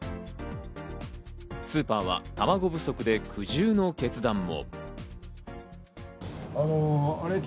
スーパーは、たまご不足で苦渋の決断も。